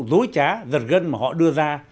dối trá giật gân mà họ đưa ra